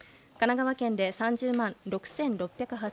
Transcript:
神奈川県で３０万６６８０軒